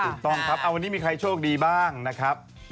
ถูกต้องครับวันนี้มีใครโชคดีบ้างนะครับ